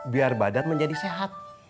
biar badan menjadi sehat